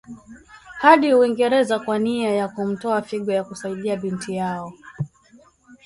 hadi Uingereza kwa nia ya kumtoa figo ya kuisadia binti yao